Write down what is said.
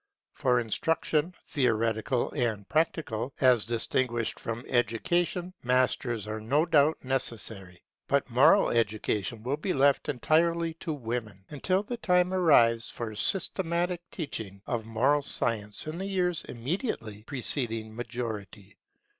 For instruction, theoretical and practical, as distinguished from education, masters are no doubt necessary. But moral education will be left entirely to women, until the time arrives for systematic teaching of moral science in the years immediately preceding majority.